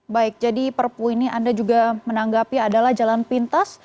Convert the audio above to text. baik jadi perpu ini anda juga menanggapi adalah jalan pintas